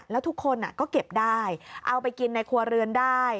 แล้วทุกคนก็เก็บได้เอาไปกินในครัวเรือนได้